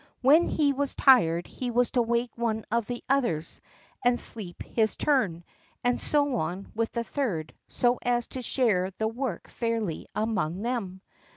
When he was tired he was to wake one of the others, and sleep in his turn; and so on with the third, so as to share the work fairly among them.